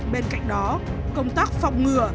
bên cạnh đó công tác phòng ngừa